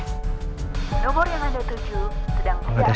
nomor yang ada tujuh